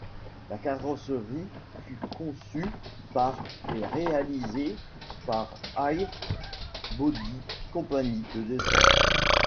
La carrosserie fut conçue par et réalisée par Hayes Body Company de Detroit.